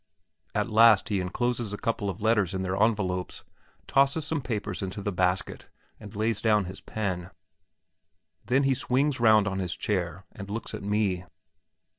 At last he encloses a couple of letters in their envelopes, tosses some papers into the basket, and lays down his pen. Then he swings round on his chair, and looks at me.